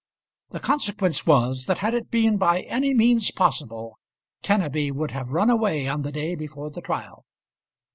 The consequence was, that had it been by any means possible, Kenneby would have run away on the day before the trial.